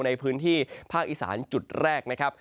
ในพื้นที่ภาคอีสานจุดแรกนะครับ